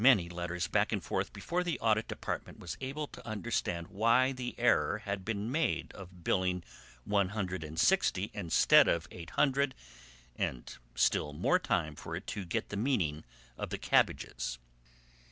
It required a great many letters back and forth before the Audit Department was able to understand why the error had been made of billing one hundred and sixty instead of eight hundred, and still more time for it to get the meaning of the "cabbages."